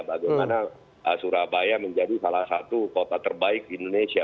bagaimana surabaya menjadi salah satu kota terbaik di indonesia